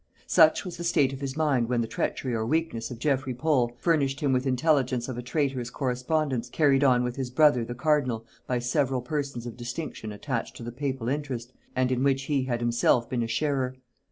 Such was the state of his mind when the treachery or weakness of Geffrey Pole furnished him with intelligence of a traitorous correspondence carried on with his brother the cardinal by several persons of distinction attached to the papal interest, and in which he had himself been a sharer.